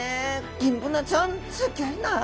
ギンブナちゃんすギョいなあ。